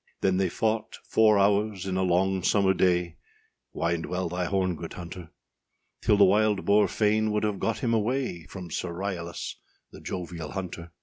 â Then they fought four hours in a long summer day, Wind well thy horn, good hunter; Till the wild boar fain would have got him away From Sir Ryalas, the jovial hunter.